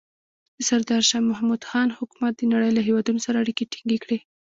د سردار شاه محمود خان حکومت د نړۍ له هېوادونو سره اړیکې ټینګې کړې.